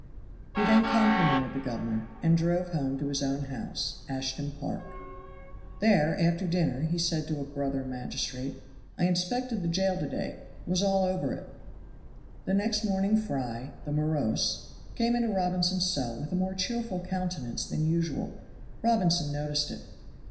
He then complimented the governor and drove home to his own house, Ashtown Park. There, after dinner, he said to a brother magistrate, "I inspected the jail to day; was all over it." The next morning Fry, the morose, came into Robinson's cell with a more cheerful countenance than usual. Robinson noticed it.